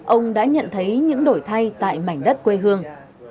ông đã nhận thấy những đổi thay tại mảnh đất quê hương